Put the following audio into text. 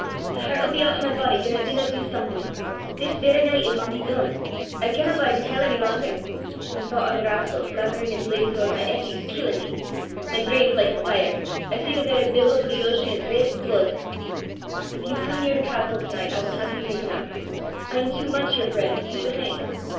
"The hert 'ill be oot o' my body gien I dinna du something! This verra nicht it maun be dune! I canna bide in hell ony langer. The thoucht o' the rascal slaverin' his lees ower my Eppy 's killin' me! My brain 's like a fire: I see the verra billows o' the ocean as reid 's blude." "If you come near the castle to night, I will have you taken up. I am too much your friend to see you hanged!